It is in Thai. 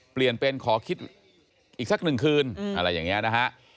เปลี่ยนเป็นขอคิดอีกสักหนึ่งคืนอะไรอย่างนี้นะฮะ